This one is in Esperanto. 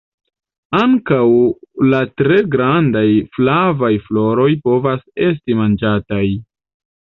Ankaŭ la tre grandaj flavaj floroj povas esti manĝataj.